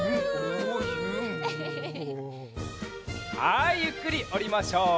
はいゆっくりおりましょう。